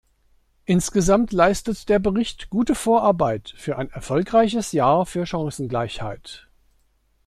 Insgesamt leistet der Bericht gute Vorarbeit für ein erfolgreiches Jahr für Chancengleichheit.